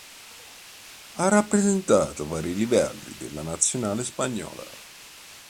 Ha rappresentato vari livelli della Nazionale spagnola.